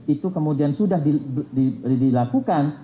itu kemudian sudah dilakukan